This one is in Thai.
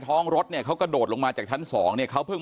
ท้องรถเนี่ยเขากระโดดลงมาจากชั้นสองเนี่ยเขาเพิ่ง